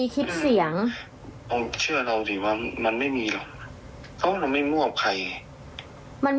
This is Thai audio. คลิปเสียงอะไรวะ